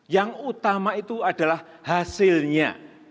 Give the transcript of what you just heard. yang utama itu adalah hasilnya